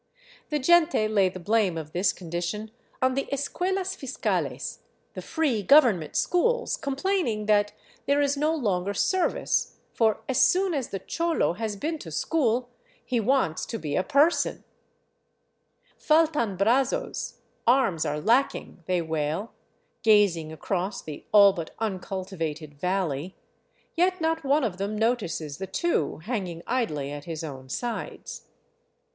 The gente lay the blame of this condition on the escuelas Hscales, the free government schools, com plaining that " there is no longer service, for as soon as the cholo has been to school, he wants to be a person" " Faltan brazos — arms are lacking," they wail, gazing across the all but uncultivated valley; yet not one of them notices the two hanging idly at his own sides.